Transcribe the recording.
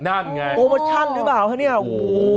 นั่นไงโอโมชั่นหรือเปล่าครับนี่โอ้โฮโอ้โฮ